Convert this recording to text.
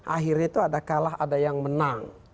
akhirnya itu ada kalah ada yang menang